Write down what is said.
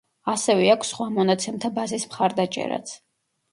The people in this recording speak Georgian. ასევე აქვს სხვა მონაცემთა ბაზის მხარდაჭერაც.